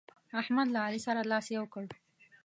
احمد له علي سره لاس يو کړ.